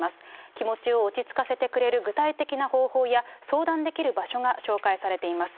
気持ちを落ち着かせてくれる具体的な方法や、相談できる場所が紹介されています。